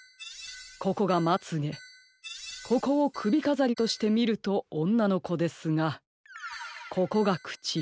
ここがまつげここをくびかざりとしてみるとおんなのこですがここがくち